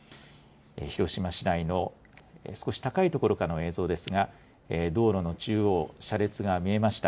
広島市内の少し高い所からの映像ですが、道路の中央、車列が見えました。